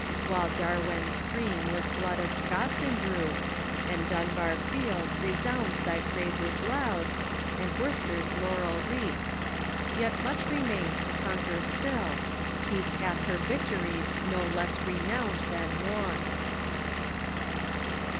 While Darwen stream with blood of Scots imbrued, And Dunbar field resounds thy praises loud. And Worcester's laurel wreath. Yet much remains To conquer still ; peace hath her victories No less renowned than war."